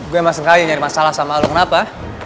gue yang masing masing nyari masalah sama lo kenapa